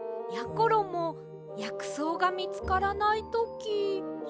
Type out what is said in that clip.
ころもやくそうがみつからないとき。